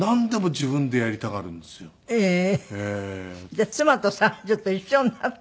じゃあ妻と三女と一緒になって。